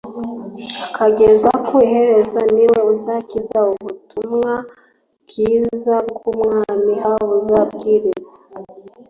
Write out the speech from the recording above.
akageza ku iherezo ni we uzakizwa. ubu butumwa bwiza g bw ubwami h buzabwirizwa